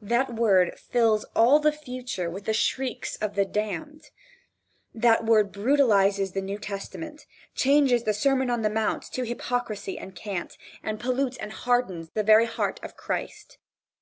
That word fills all the future with the shrieks of the damned. That word brutalizes the New Testament, changes the Sermon on the Mount to hypocrisy and cant, and pollutes and hardens the very heart of Christ.